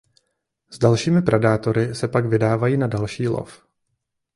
Z dalšími predátory se pak vydávají na další lov.